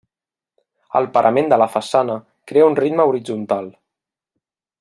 El parament de la façana crea un ritme horitzontal.